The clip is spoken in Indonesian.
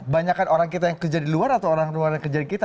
banyakan orang kita yang kerja di luar atau orang luar yang kerjain kita